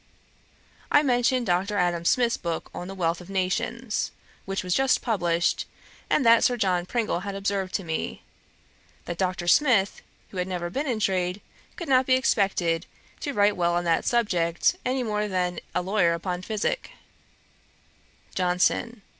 I mentioned Dr. Adam Smith's book on The Wealth of Nations which was just published, and that Sir John Pringle had observed to me, that Dr. Smith, who had never been in trade, could not be expected to write well on that subject any more than a lawyer upon physick. JOHNSON.